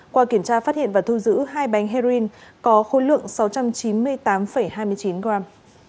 qua kiểm tra phát hiện và thu giữ hai bánh heroin có khối lượng sáu trăm chín mươi tám hai mươi chín gram